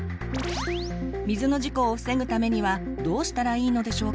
水の事故を防ぐためにはどうしたらいいのでしょうか？